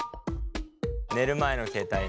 寝る前の携帯ね。